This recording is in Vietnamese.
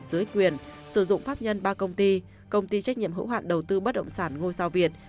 dưới quyền sử dụng pháp nhân ba công ty công ty trách nhiệm hữu hạn đầu tư bất động sản ngôi sao việt